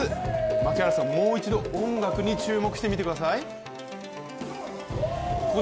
槙原さん、もう一度音楽に注目してみてください。